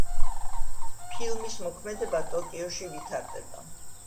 ფილმის მოქმედება ტოკიოში ვითარდება.